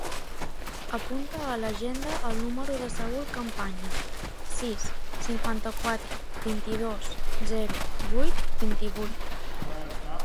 Apunta a l'agenda el número del Saül Campaña: sis, cinquanta-quatre, vint-i-dos, zero, vuit, vint-i-vuit.